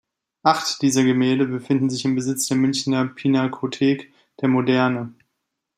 Acht dieser Gemälde befinden sich im Besitz der Münchner Pinakothek der Moderne.